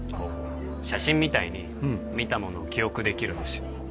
写真みたいに見たものを記憶できるんですよ